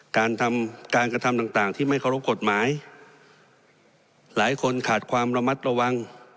การทำการกระทำต่างที่ไม่เคารพกฎหมายหลายคนขาดความระมัดระวัง